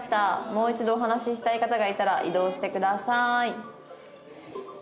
「もう一度お話ししたい方がいたら移動してください」